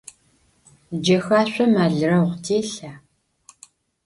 Cexaşsom alıreğu têlha?